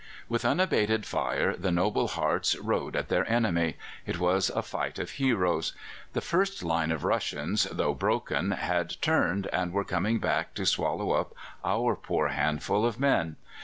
"With unabated fire the noble hearts rode at their enemy. It was a fight of heroes. The first line of Russians, though broken, had turned, and were coming back to swallow up our poor handful of men.